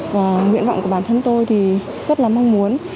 và nguyện vọng của bản thân tôi thì rất là mong muốn